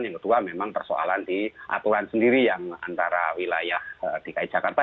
yang kedua memang persoalan di aturan sendiri yang antara wilayah dki jakarta